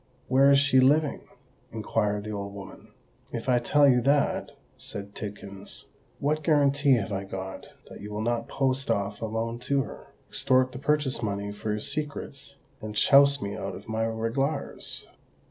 "Where is she living?" inquired the old woman. "If I tell you that," said Tidkins, "what guarantee have I got that you will not post off alone to her, extort the purchase money for your secrets, and chouse me out of my reglars?